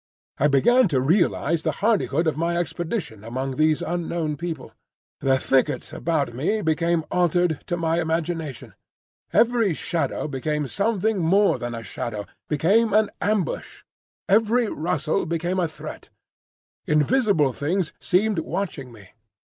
I began to realise the hardihood of my expedition among these unknown people. The thicket about me became altered to my imagination. Every shadow became something more than a shadow,—became an ambush; every rustle became a threat. Invisible things seemed watching me.